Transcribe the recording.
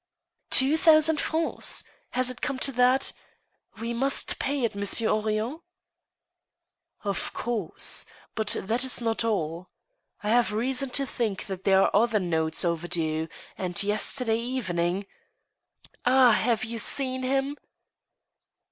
" Two thousand francs ! Has it come to that ? We must pay it. Monsieur Henrion ?"" Of course. But that is not all. I have reason to think that there are other notes overdue, and yesterday evening —"" Ah ! have you seen him